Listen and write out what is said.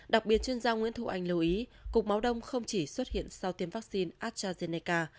đặc biệt chuyên gia nguyễn thu anh lưu ý cục máu đông không chỉ xuất hiện sau tiêm vaccine astrazeneca